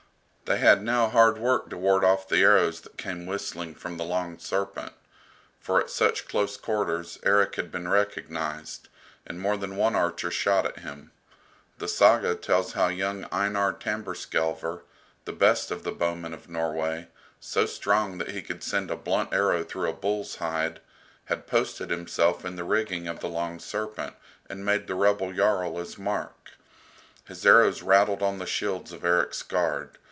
They had now hard work to ward off the arrows that came whistling from the "Long Serpent," for at such close quarters Erik had been recognized, and more than one archer shot at him. The "Saga" tells how young Einar Tamberskelver, the best of the bowmen of Norway, so strong that he could send a blunt arrow through a bull's hide, had posted himself in the rigging of the "Long Serpent" and made the rebel Jarl his mark. His arrows rattled on the shields of Erik's guard.